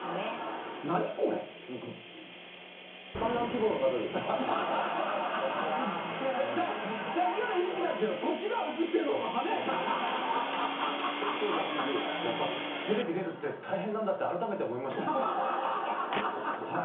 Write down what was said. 結構な人数やっぱテレビ出るって大変なんだって改めて思いましたははは